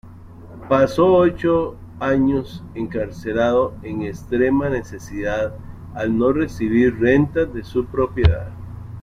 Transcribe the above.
Pasó ocho años encarcelado en extrema necesidad al no recibir rentas de su propiedad.